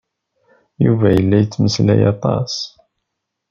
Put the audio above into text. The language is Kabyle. Yuba yella yettmeslay aṭas.